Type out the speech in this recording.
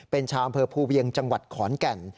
เป็นชาวอำเภอภูเวียงจังหวัดขอนแก่น